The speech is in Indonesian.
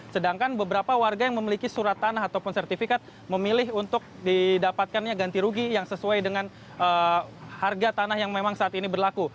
sedangkan beberapa warga yang memiliki surat tanah ataupun sertifikat memilih untuk didapatkannya ganti rugi yang sesuai dengan harga tanah yang memang saat ini berlaku